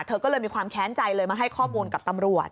เธอก็เลยมีความแค้นใจเลยมาให้ข้อมูลกับตำรวจ